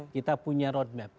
kita punya road map